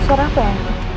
suara apa ya